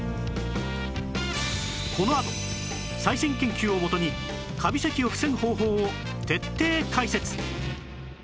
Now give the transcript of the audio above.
このあと最新研究を基にカビ咳を防ぐ方法を徹底解説